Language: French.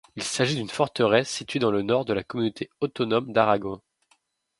Il s'agit d'une forteresse située dans le nord de la Communauté autonome d'Aragon.